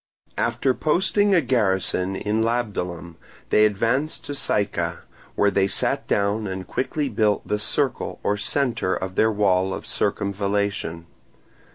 After posting a garrison in Labdalum, they advanced to Syca, where they sat down and quickly built the Circle or centre of their wall of circumvallation.